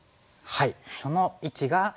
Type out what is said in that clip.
はい。